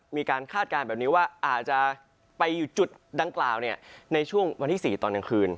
คาดการณ์แบบนี้ว่าอาจจะไปอยู่จุดดังกล่าวในช่วงวันที่๔ตอนกลางคืน